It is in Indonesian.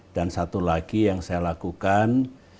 dan satu lagi yang saya lakukan